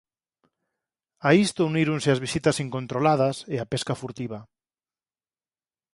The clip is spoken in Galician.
A isto uníronse as visitas incontroladas e a pesca furtiva.